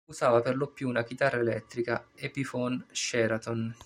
Usava per lo più una chitarra elettrica Epiphone Sheraton.